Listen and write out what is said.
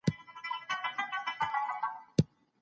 ما له ملګري واورېدل چي کتاب يې خوښ سو.